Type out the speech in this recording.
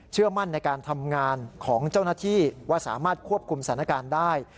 เชื่อมั่นในการทำงานของเจ้าหน้าที่ว่าสามารถควบคุมสถานการณ์ได้